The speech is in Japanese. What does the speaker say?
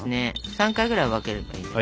３回ぐらい分けるといいかも。